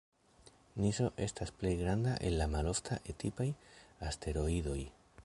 Niso estas plej granda el la maloftaj E-tipaj asteroidoj.